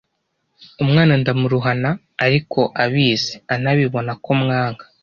umwanaa ndamuruhana ariko abizi anabibona ko mwanga